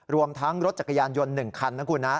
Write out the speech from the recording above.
รวมทั้งรถจักรยานยนต์๑คันนะคุณนะ